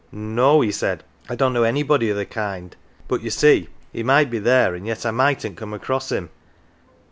"No," he said. "I don't know anybody o' th' kind. But you see he might be there an' yet I mightn't come across him."